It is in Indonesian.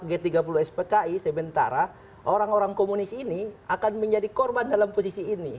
mereka akan mengatakan bahwa mereka tidak akan mencari sementara orang orang komunis ini akan menjadi korban dalam posisi ini